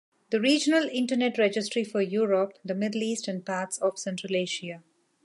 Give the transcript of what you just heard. The Regional Internet Registry for Europe, the Middle East and parts of Central Asia.